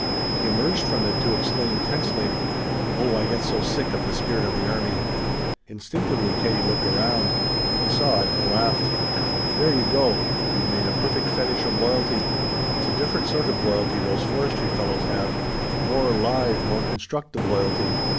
He emerged from it to exclaim tensely: "Oh I get so sick of the spirit of the army!" Instinctively Katie looked around. He saw it, and laughed. "There you go! We've made a perfect fetich of loyalty. It's a different sort of loyalty those forestry fellows have a more live, more constructive loyalty.